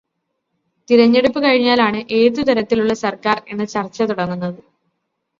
തിരഞ്ഞെടുപ്പ് കഴിഞ്ഞാലാണ് ഏതുതരത്തിലുള്ള സർക്കാർ എന്ന ചർച്ച തുടങ്ങുന്നത്.